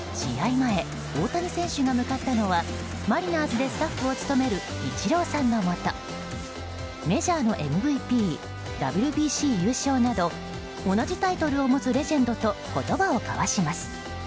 前、大谷選手が向かったのはマリナーズでスタッフを務めるイチローさんのもとメジャーのＭＶＰＷＢＣ優勝など同じタイトルを持つレジェンドと言葉を交わします。